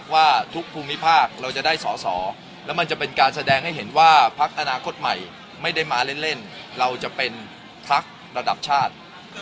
ว่าภาคอนาคตใหม่ไม่ได้มาเล่นเล่นเราจะเป็นภาคระดับชาติ